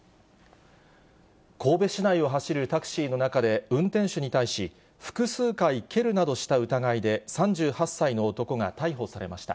神戸市内を走るタクシーの運転手に対し、複数回蹴るなどした疑いで、３８歳の男が逮捕されました。